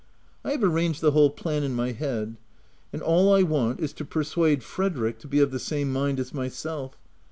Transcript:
I fc have arranged the whole plan in my head ; and all I want, is to persuade Frederick to be of the same mind as myself.